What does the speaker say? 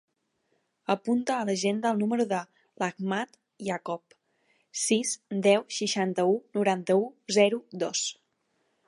Apunta a l'agenda el número de l'Amjad Iacob: sis, deu, seixanta-u, noranta-u, zero, dos.